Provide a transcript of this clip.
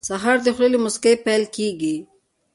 سهار د خولې له موسکۍ پیل کېږي.